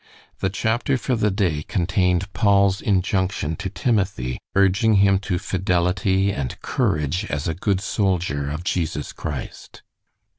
The chapter for the day contained Paul's injunction to Timothy, urging him to fidelity and courage as a good soldier of Jesus Christ.